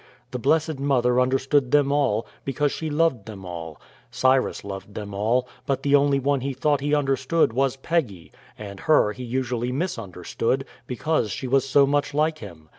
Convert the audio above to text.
The blessed mother understood them all, because she loved them all. Cyrus loved them all, but the only one he thought he understood was Peggy, and her he usually misunderstood, because she was so much like him.